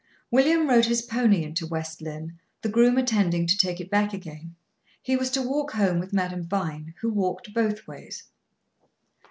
William rode his pony into West Lynne, the groom attending to take it back again. He was to walk home with Madame Vine, who walked both ways.